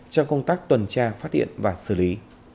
trong công tác tuần tra phát hiện và xử lý